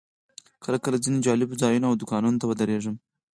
کله کله ځینو جالبو ځایونو او دوکانونو ته ودرېږم.